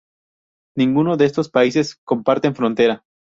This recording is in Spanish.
Ninguno de estos países comparten frontera.